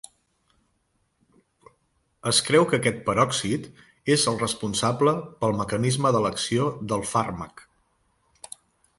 Es creu que aquest peròxid és el responsable pel mecanisme de l'acció del fàrmac.